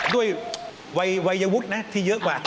ด้วยวัยวุฒินะที่เยอะกว่า